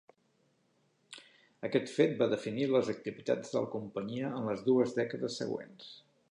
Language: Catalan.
Aquest fet va definir les activitats de la companyia en les dues dècades següents.